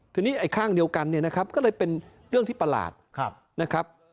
ทีนี้ไอ้ข้างเดียวกันเนี่ยนะครับก็เลยเป็นเรื่องที่ประหลาดนะครับ